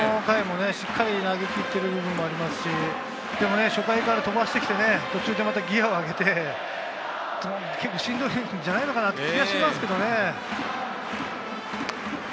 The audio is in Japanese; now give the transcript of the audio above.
しっかり投げきっている部分もありますし、初回から飛ばして来て、また途中でギアを上げて結構しんどいんじゃないかなという気がしますけどね。